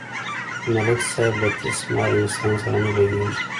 د ملک صاحب له تیس مار انسان سره نه لگېږي.